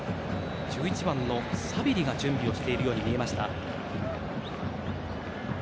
１１番のサビリが準備しているように見えました。